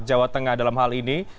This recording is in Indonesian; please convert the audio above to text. jawa tengah dalam hal ini